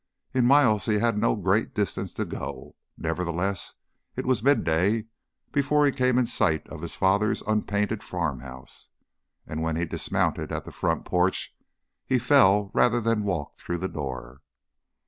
In miles he had no great distance to go; nevertheless, it was midday before he came in sight of his father's unpainted farmhouse, and when he dismounted at the front porch he fell rather than walked through the door.